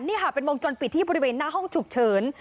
นี่ค่ะเป็นวงจรปิดที่บริเวณหน้าห้องฉุกเฉิน